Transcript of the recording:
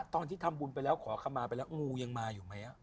ตอนที่ทำบุญไปแล้วขอคำมาไปแล้วงูยังมาอยู่ไหม